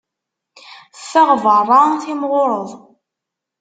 Ffeɣ beṛṛa, timɣureḍ.